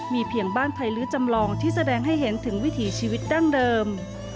มีเพียงบ้านภัยลื้อจำลองที่แสดงให้เห็นถึงวิถีชีวิตดั้งเดิม